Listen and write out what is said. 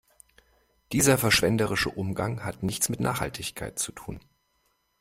Dieser verschwenderische Umgang hat nichts mit Nachhaltigkeit zu tun.